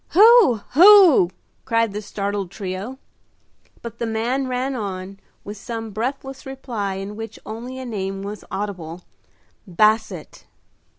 "Who? who?" cried the startled trio. But the man ran on, with some breathless reply, in which only a name was audible "Basset."